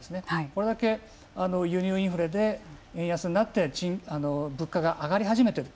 これだけ、輸入インフレで円安になって物価が上がり始めている。